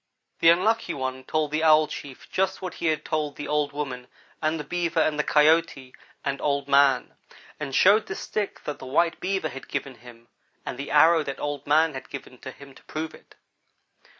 "The Unlucky one told the Owl chief just what he had told the old woman and the Beaver and the Coyote and Old man, and showed the stick that the white Beaver had given him and the arrow that Old man had given to him to prove it.